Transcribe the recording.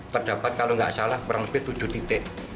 terdapat kalau nggak salah kurang lebih tujuh titik